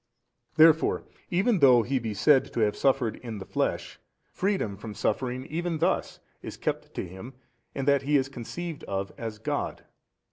Therefore even though He be said to have suffered in the flesh, freedom from suffering even thus is kept to Him 60 in that He is conceived of as God.